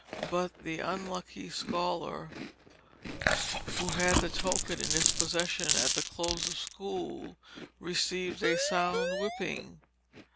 But the unlucky scholar who had the token in his possession at the close of school, received a sound whipping.